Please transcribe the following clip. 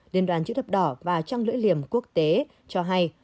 liên đoàn chữ thập đỏ và trang lưỡi liềm quốc tế cho hay